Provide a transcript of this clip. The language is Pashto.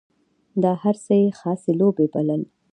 دا هر څه یې خاصې لوبې بلل.